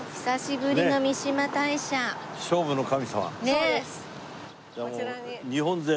そうです。